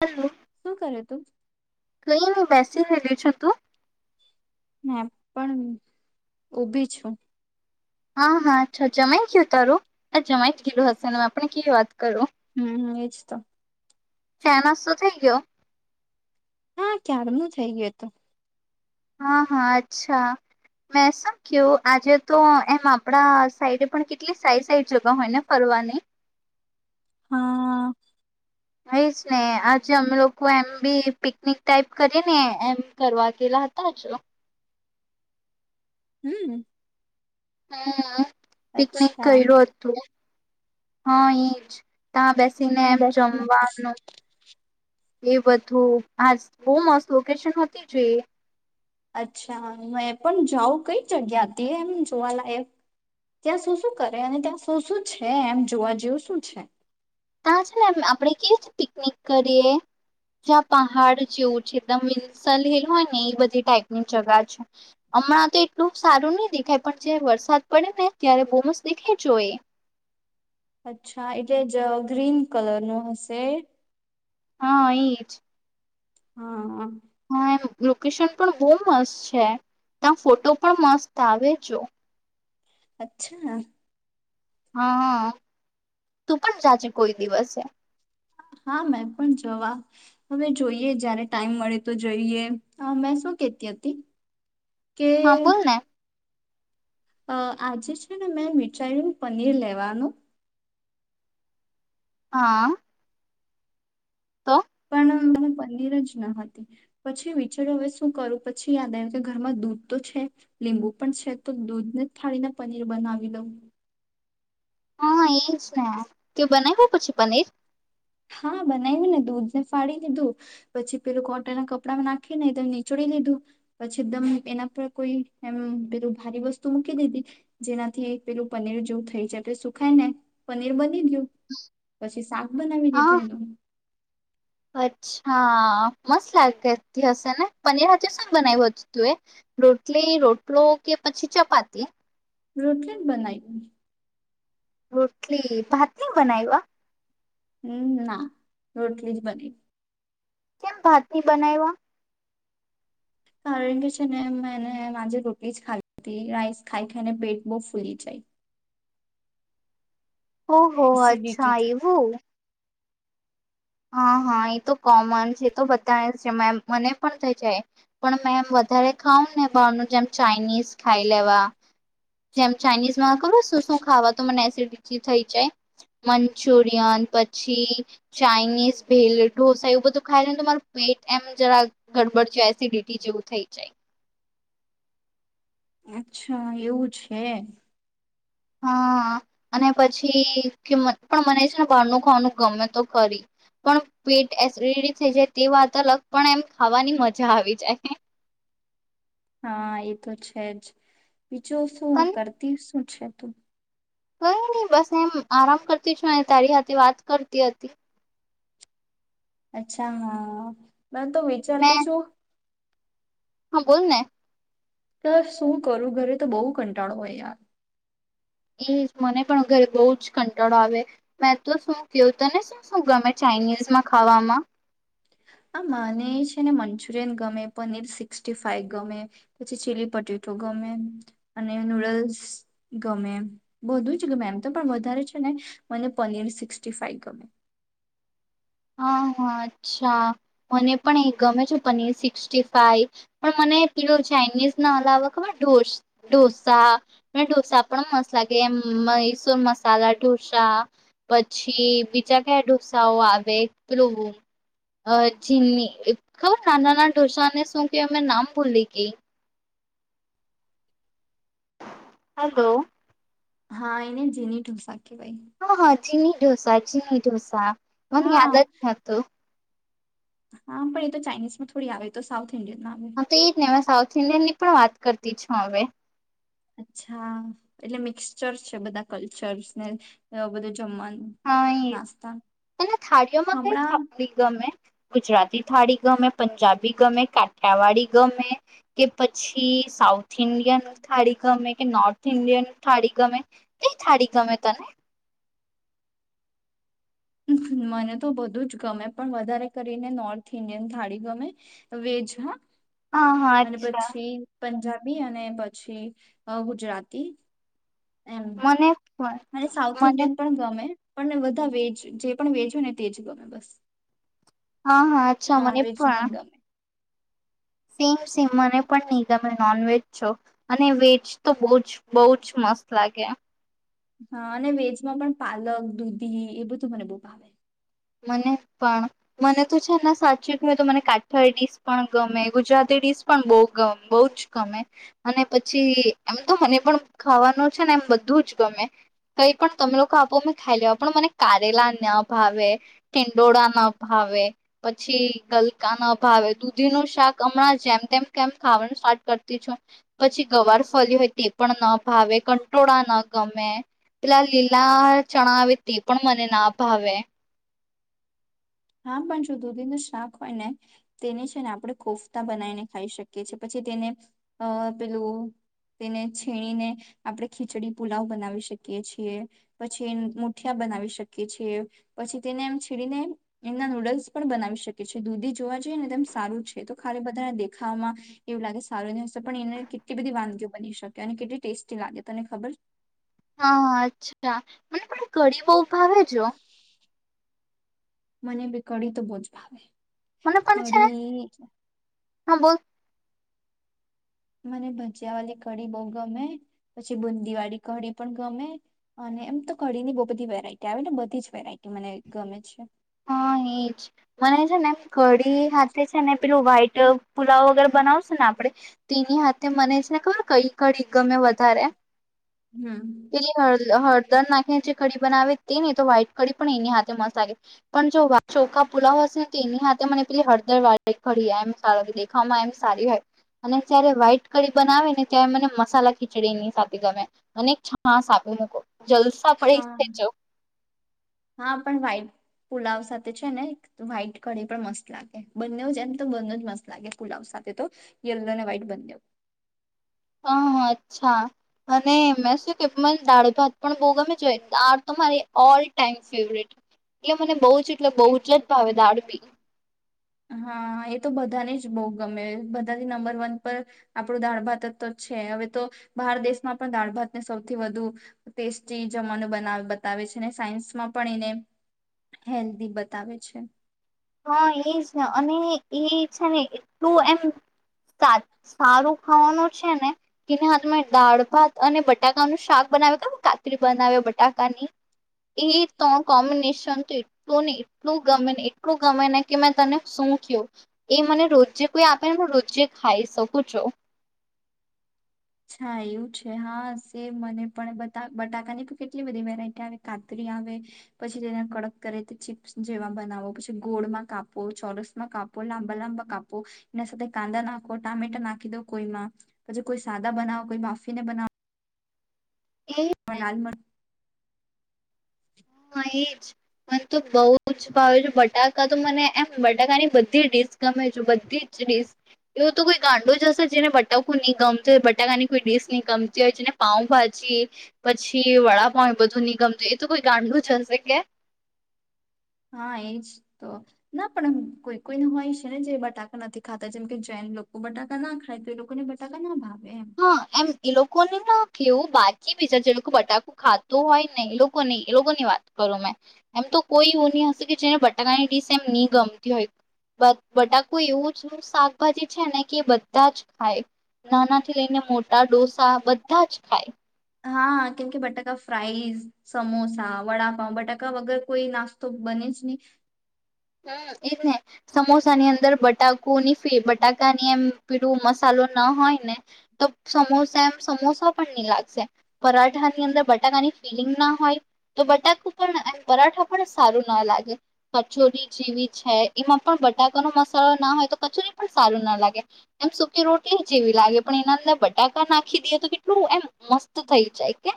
Hello શું કરે તું નઈનઈ બેસી રઈલી છું તું [unintelligible] પણ ઉભી છું હા હા અછા જમાય ગયું તારું આ જમાય જ ગઈલુ હશે આપણે કેવી વાત કરું હમ એજ તો ચા નાસ્તો થઈ ગયો હા ક્યારનુ થઈ ગયું એતો હા હા અચ્છા મેં શું ક્યું આજે તો એમ આપણા સાઈડ પણ કેટલી સાઈ સાઈ જગા હોય ને ફરવાની હા એજ ને આજે અમે લોકો એમ બી પિકનિક ટાઈપ કરીને એમ કરવા ગઈલા હતા ચલો હમ હા પિકનિક અચ્છા કર્યું હતું હા એ જ તા બેસીને એમ જમવાનું એ બધું આસ બહુ મસ્ત લોકેશન હતી જે અચ્છા એ પણ જાઉં કઈ જગ્યા હતી એમ જોવાલાયક ત્યાં શું શું કરે અને ત્યાં શું શું છે એમ જોવા જેવું શું છે ત્યા છે ને આપણેે કેવી પિકનિક કરીએ જ્યાં પહાડ જેવું છે એકદમ [unintelligible] હિલ હોય ને એ બધી ટાઈપની જગા છે અમણાં તો એટલું સારું નઈ દેખાય પણ જયારે વરસાદ પડે ને ત્યારે બવ મસ્ત દેખી જોએ અચ્છા, એટલે જ ગ્રીન કલર નું હશે. હા, એ જ. હા. હા એમ, લોકેશન પણ બહુ મસ્ત છે ત્યા ફોટો પણ મસ્ત આવે જો. અચ્છા. હા હા,. તું પણ જાજે કોઈ દિવસે. હા મે પણ જવા. હવે જોઈએ જયારે ટાઈમ મળે તો જઈએ મેં શું કેતી હતી? કે હા બોલ ને અ આજે છે ને મેં મિઠાઈનું પનીર લેવાનું હા. તો. પણ પનીર જ ન હતુ. પછી વિચાર્યુ હવે શું કરું,. પછી યાદ આવ્યુ કે ઘરમાં દૂધ તો છે લીંબુ પણ છે તો દૂધને જ ફાળીને પનીર બનાવી લઉં. હા, એજ ને કે બનાવ્યુ પછી પનીર. હા, બનાવ્યું ને દૂધને ફાડી લીધું પછી પેલું કોટન ના કપડા નાખીને એકદમ નીચડી લીધું પછી એકદમ એના પર કોઈ એમ પેલું ભારી વસ્તુ મૂકી દીધી જેનાથી પેલું પનીર જેવું થઈ જાય સુખાય ને પનીર બ બની ગયુ પછી શાક બનાવી દીધું. હા એનું અચ્છા. મસ્ત લાગેતી હશે ને પનીર સાથે હજુ શું બનાવ્યું હતું તું એ રોટલી, રોટલો કે પછી ચપાતી. રોટલી જ બનાઈ. રોટલી, ભાત ની બનાવ્યા. હમ ના રોટલી જ બને કેમ, ભાતની બનાવ્યા. કારણ કે છેને મેને માજે રોટલી જ ખા રઇસ ખાય ખને પેટ બહ ફૂલી જાય ઓહ, એસિડિટી અચ્છા એવું. હા હા, એ તો કોમન છે એતો બધાને છે મેમ. મને પણ થઈ જાય પણ મેમ વધારે ખાવુંને બહારનું જેમ ચાઇનીઝ ખાઈ લેવા, જેમ ચાઇનીઝ [unintelligible] શું શું ખાવા તો મને એિ થઈ જાય. મંચુરિયન પછી ચાાઈનીઝ ભેલ, ઢોસા એવું બધું ખાય ને તો તમારું પેટ એમ જરાક ગડબડ છે એસિડિટી જેવું થઈ જાય. અચ્છા, એવું છે? હા, અને પછી પણ કે મને છે ને બહારનું ખાવાનું ગમે તો કરી પણ પેટ એસિડટી થઈ જાય તે વાત અલગ પણ એમ ખાવાની મજા આવી જાય. હા, એ તો છે જ. [unintelligible] શું હું પણ કરતી અચ્છા તો કઈ નહી બસ એમ આરામ કરતી છું અને તારી સાથે વાત કરતી હતી. અચ્છા, હા. મેં તો મેં વિચારતી છું. હા, બોલને. તો શું કરું ઘરે તો બહુ કંટાળો હોય યાર. એજ મને પણ ઘરે બહુ જ કંટાળો આવે. મેં તો શું કેવું તને શું શું ગમે ચાઇનીઝમાં ખાવામાં હા મને છે ને મંચુરિયન ગમે, પનીર સિક્સટીફાઈ ગમે પછી ચીલી પટેટો ગમે અને નુડલ્સ ગમે બધું જ ગમે એમ તો પણ વધારે છે ને મને પનીર સિક્સ ફાઈવ ગમે. હા હા અચ્છા, મને પણ એ ગમે છે પનીર સિક્સટીફાઈ પણ મને પેલું ચાઇનીઝ ના અલાવા ખબર ઢોસા. ઢોસા પણ મસ્ત લાગે એમ મૈસૂર મસાલા ઢોસા પછી બીજા કયા ઢોસાઓ આવે ને પેલુ ચીલ્લી ખબર નાના નાના ઢોસાને શું કેવાય નામ ભૂલી ઞઈ હલો. હા, એને જેની ઢોસા કહેવાય હા હા ચિમ ડોસાચ ડોસા મને યાદ હા જ હતું હા પણ એ તો ચાઇનીઝ માં થોડી આવે તો સાઉથ ઇન્ડિયનમાં આવે હા તો એજ ને અમે સાઉથ ઇન્ડિય ની પણ વાત કરતી છું હવે અચ્છા એટલે મિક્સચર છે બધા કલ્ચર્સ ને બધું જમવાનું હા એ નાસ્તા અને થાળીઓમાં કઈ હમણાં થલી ગમે ગુજરાતી થાળી ગમે પંજાબી ગમે કાઠિયાવાડીી ગમે કે પછી સાઉથ ઇન્ડિયન થાળી ગમે કે નોર્થ ઇન્ડિયન થાળી ગમે કઈ થાળી ગમે તને મને તો બધું જ ગમે પણ વધારે કરીને નોર્થ ઇન્ડિયન થાળી ગમે વેજ હા હા હા અને પછી પંજાબી બી અને પછી ગુજરાતી એમ મને પણ અને સાઉથ મને ઇન્ડિયન પણ ગમે પણને બધા વેજ જે પણ વેજ હોય ને તેજ ગમે બસ હા હા અચ્છા મને નોનવેજ નહી પણ ગમે સેમ સેમ મને પણ નિગમ ત નોન વજ છો અને વેજ તો બ જ બહ જ મસ્ત લાગે હા અને વેજમાં પણ પાલક દૂધી એ બધું મને બહુ આવે મને પણ મને તો છે ને સાચી કય તો મને કાઠ ડીશ પણ ગમે ગુજરાતી ડીસ પણ બહમે બહુ જ ગમે અને પછી એમ તો મને પણ ખાવાનું છે ને એમ બધું જ ગમે કઈ પણ તમે લોકો આપોં ખાઈ લેવા પણ મને કારેલા ના ભાવે ઠીંડોળ ના ભાવે પછી ગલકા ના ભાવે દૂધી ન શાક હમણાં જેમ તેમ કેમ ખાવાનું સ્ટાર્ટ કરતી છું પછી ગવાર ફરી હોય તે પણ ના ભાવે કંટોળા ના ગમે પેલા લીલા ચણા આવે તે પણ મને ના ભાવે હા પણ જો દૂધીનું શાક હોય ને તેને છે ને આપણે કોફતા બનાવીને ખાઈ શકીએ છીએ પછી તેને પેલું તેને છીણીને આપણે ખીચડી પુલાવ બનાવી શકીએ છીએ પછી મુઠિયા બનાવી શકીએ છીએ પછી તેને એમ છીણીને એમના નૂડલ્સ પણ બનાવી શકે છે દૂધી જોવા જઈએ ને તેમમ સારું છે તો ખાલી બધાને દેખામાં એવું લાગે સારું નહી હશે પણ એને કેટલી બધી વાનગીઓ બની શકે અને કેટલી ટેસ્ટી લાગે તને ખબર હા અચ્છા મને થોડી ગરી બ ભાવે જો મને બી કડી તો બહુ જ ભાવે મને પણ છે ને કડી હા બોલ મને ભજીયા વાળી કડીી બહ ગમે પછી બુંદી વાળી કડીી પણ ગમે અને એમ તો કડીી ની બહુ બધી વેરાયટી આવે બધી જ વેરાયટી મને ગમે છે હા એજ મને છે ને એમ કડીી હાથે છે ને પેલું વ્હાઈટ પુલાવ વગેરે બનાવશ ને આપડણે તો એની હાથે મને છે ને ખબર કઈ કડીી ગમે વધારે હમ. એ હળ હળ દર નાખીને જે કડી બનાવે તે ને તો વ્હાઈટ ખડી પણ એની હાથે મસાલે પણ જો ચોખા પુલાવ હશે ને તો એની સાથે મને પેલી હળદર વા કી એમ સાર દેખવામાં એમ સારી હોય અને જય્યારે વ્હાઈટ કડીી બનાવે ને ત્યારે મને મસાલા ખીચડી એની સાથે ગમે અને છાસ આપી લોકો જલસા પડીસ્ હા છો હા પણ વાઈટ પુલાવ સાથે છે ને વ્હાઈટ કઢી પણ મસ્ત લાગે બંને જ એમ તો બં જ મસ્ત લાગે પુલાવ સાથે તો યલો ને વ્હાઈટ બંને હ અચ્છા અને મે શું કે મને દાળ ભાત પણ બોગમે જોઈ આ તમા ઓલ ટાઈમ ફેવરેટ એ મને બહુ એટલે બહુ એ જ ભાવે દાળ બી. હા એ તો બધાને જ બહુ ગમે. બધાથી નંબર વન પર આપણું દાળ-ભાત છે. હવે તો બહાર દેશમાં પણ દાળ ભાતને સૌથી વધુ ટેસ્ટી જમવાનુ બતાવે છે ને સાયન્સમાં પણ એને હેલ્ધી બતાવે છે. હા એજ ને, અને એ છે ને એટલું એમ સારું ખાવાનું છે ને કે, તમે દાળ ભાત અને બટાકાનું શાક બનાવે, કાતરી બનાવે બટાકાની, એ ત કોમ્બિનેશન તો એટલું ને એટલું ગમેને. આપું ગમે ને કે મેં તને શું કહ્યું, એ મને રોજે કોઈ આપે ને, હ રોજે ખાઈ શકું છું. હા એવું છે હા સે મને પણ બ બટાકાની પણ કેટલી બધી વેરાયટી આવે. કાતરી આવે, પછી તેને કડક કરી ચીપ્સ જેવા બનાવો, પછી ગોળમાં કાપો, ચોરસ માં કાપો, લાંબા લાંબા કાપો, એના સાથે કાંદા નાખો, ટામેટા નાખી દો. કોઈમાં પછી કોઈ. સાદા બનાવો, કોઈ બાફી ને બનાવો. એ એમાં લાલ મરચું. હા એજ મને તો બહુ જ ભાવે છે. બટાકા તો મને એમ બટાકાની બધી ડીશ ગમે છે, બધી જ ડીશ. એવું તો કોઈ ગાંડો જ હશે જેને બટાકું નહીં ગમતો હોય બટાકાની કોઈ ડીશ નહીં ગમતી હોય, જેને પાઉભાજી પછી વડાપાવ બધું નહી ગમતું હોય, એ તો કોઈ. ગાંડુ જ હશે કે? હા એજ તો. ના પણ કોઈ કોઈ ન હોય છે ને જે બટાકા નથી ખાતા. જેમ કે જેન લોકો બટાકા ના ખાય તો એ લોકોને બટાકા ના ભાવ. હા, એમ એ લોકો ને ના. કે એવું બાકી બી છે જે લોકો બટાકુ ખાતું હોય, ને એ લોકો ની એ લોકોની વાત કરો. મેં એમ તો કોઈ એવું નહીં હશે કે જેને બટાકાની ડીશ એમ નહીં ગમતી હોય. બટાકુ એવું જ શાક. શાકભાજી છે ને, કે બધા જ ખાય, નાના થી લઈને મોટા ડોસા બધા જ ખાય. હા, કેમ કે બટાકા ફ્રાઈઝ, સમોસા, વડાપઉ બટાકા વગર કોઈ નાસ્તો બને જ નહીં. હમ એજ ને, સમોસાની અંદર બટાકુની બટાકાની એમ પીડું મસાલો ના હોય ને તો સમોસા એમ સમોસા પણ નહીં લાગશે. પરાઠા ની અંદર બટાકાની ફિલિંગ ના હોય તો બટાકુ પણ એમ પરાઠા પણ સારું ના લાગે. કચોરી જેવી છે એમાં પણ બટાકા ન મસાલો ના હોય તો કચોરી પણ સારું ના લાગે. એમ સુકી રોટલી જેવી લાગે. પણ એના અંદર બટાકા નાખી દઈએ તો કેટલું એમ મસ્ત થઈ જાય કે!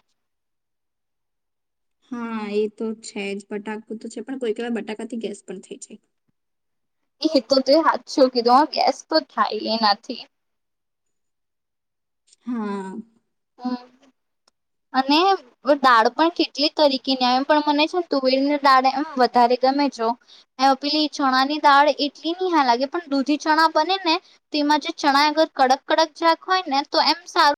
હા, એ તો છે જ. બટાકું તો છે, પણ કોઈ કહેવા બટાકાથી ગેસ પણ થઈ જાય. એ તો તો હાથ છો કીધો, ગેસ તો થાય એ નથી. હા. હમ, અને દાળ પણ કેટલીક તરીકેની આવે, પણ મને છે ને તુવેર ને દાળ એમ વધારે ગમે છે. એ પેલી ચણા ની દાળ એટલી નહીં હા લાગે, પણ દૂધી ચણા બને ને તોમાં જે ચણા અગર કડક કડક જરાક હોય ને તો એમ સારું.